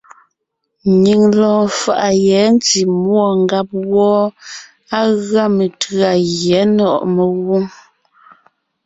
Nyìŋ lɔɔn faʼa yɛ̌ ntí múɔ ngáb wɔ́ɔ, á gʉa metʉ̌a Gyɛ̌ Nɔ̀ʼɔ Megwǒŋ.